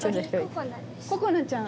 ここなちゃん。